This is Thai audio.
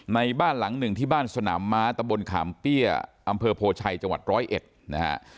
บ้านหลังหนึ่งที่บ้านสนามม้าตะบนขามเปี้ยอำเภอโพชัยจังหวัดร้อยเอ็ดนะฮะ